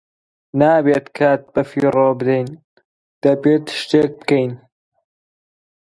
نابێت کات بەفیڕۆ بدەین - دەبێت شتێک بکەین!